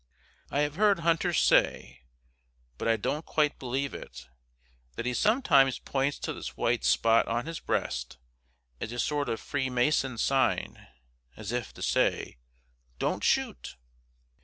I have heard hunters say, but I don't quite believe it, that he sometimes points to this white spot on his breast as a sort of Free Mason's sign, as if to say, "Don't shoot."